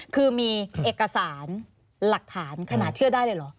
คือมีเอกสารหลักฐานขนาดเชื่อได้เลยเหรอ